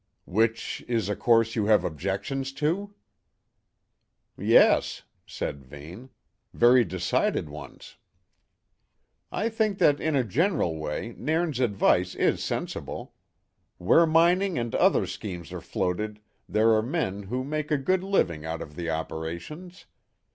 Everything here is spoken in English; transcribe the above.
"Which is a course you have objections to?" "Yes," said Vane, "very decided ones." "I think that, in a general way, Nairn's advice is sensible. Where mining and other schemes are floated, there are men who make a good living out of the operations.